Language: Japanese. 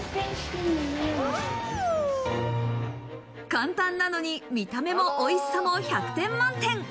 簡単なのに見た目もおいしさも１００点満点。